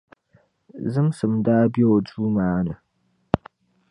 Zimsim daa be o duu maa ni,